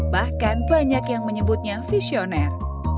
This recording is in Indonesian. bahkan banyak yang menyebutnya visioner